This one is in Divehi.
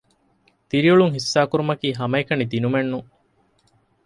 ދިރިއުޅުން ޙިއްޞާކުރުމަކީ ހަމައެކަނި ދިނުމެއް ނޫން